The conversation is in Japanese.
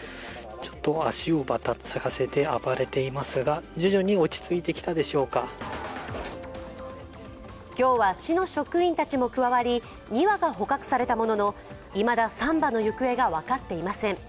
ちょっと足をばたつかせて暴れていますが、今日は市の職員たちも加わり２羽が捕獲されたもののいまだ３羽の行方が分かっていません。